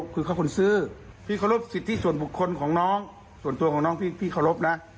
คือเขาคนซื้อพี่เคารพสิทธิส่วนบุคคลของน้องส่วนตัวของน้องพี่เคารพนะ